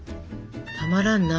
たまらんな。